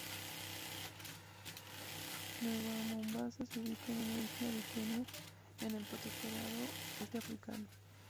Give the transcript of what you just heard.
Nueva Mombasa se ubica en una isla de Kenia, en el Protectorado Este Africano.